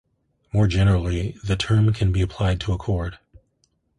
More generally, the term can be applied to a cord.